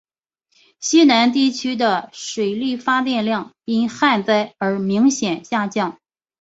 西南地区的水力发电量因旱灾而明显下降。